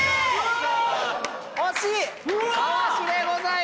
惜しい！